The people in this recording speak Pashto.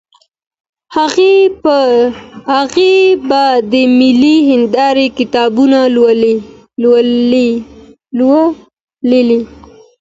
هغوی به د ملي هندارې کتابونه لولي.